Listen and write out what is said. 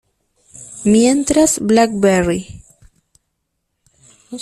Mientras BlackBerry.